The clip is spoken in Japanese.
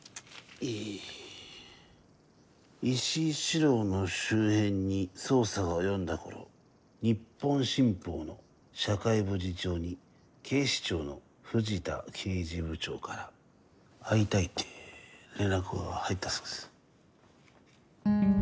え石井四郎の周辺に捜査が及んだ頃「日本新報」の社会部次長に警視庁の藤田刑事部長から会いたいって連絡が入ったそうです。